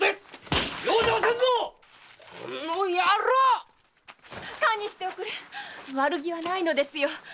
この野郎！堪忍しておくれ悪気はないのですよ。